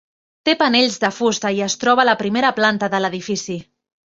Té panells de fusta i es troba a la primera planta de l'edifici.